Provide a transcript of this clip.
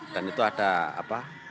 dan itu ada apa